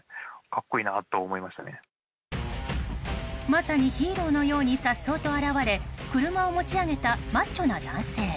まさにヒーローのように颯爽と現れ車を持ち上げたマッチョな男性。